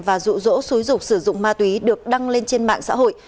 và rụ rỗ xúi dục sử dụng ma túy được đăng lên trên mạng xã hội